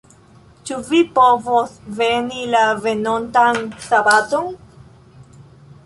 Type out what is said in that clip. Ĉu vi povos veni la venontan sabaton?